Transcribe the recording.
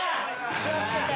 気を付けて。